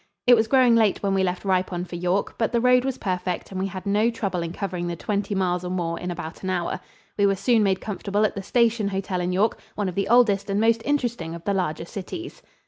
It was growing late when we left Ripon for York, but the road was perfect and we had no trouble in covering the twenty miles or more in about an hour. We were soon made comfortable at the Station Hotel in York, one of the oldest and most interesting of the larger cities.